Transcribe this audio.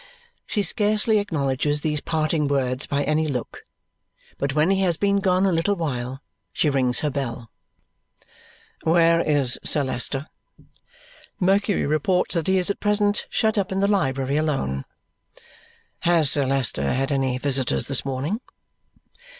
She scarcely acknowledges these parting words by any look, but when he has been gone a little while, she rings her bell. "Where is Sir Leicester?" Mercury reports that he is at present shut up in the library alone. "Has Sir Leicester had any visitors this morning?"